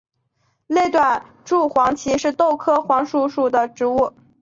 类短肋黄耆是豆科黄芪属的植物。